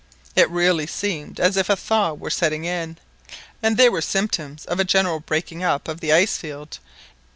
It really seemed as if a thaw were setting in, and there were symptoms of a general breaking up of the ice field.